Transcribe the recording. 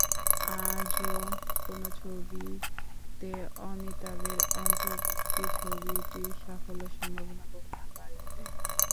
আজও কোনো ছবিতে অমিতাভের অন্তর্ভুক্তি ছবিটির সাফল্যের সম্ভাবনা বহু গুণ বাড়িয়ে দেয়।